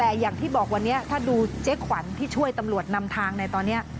แต่อย่างที่บอกวันนี้ถ้าดูเจ๊ขวัญที่ช่วยตำรวจนำทางในตอนนี้